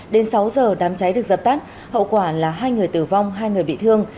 đến sáu giờ đám cháy được dập tắt hậu quả là hai người tử vong hai người bị thương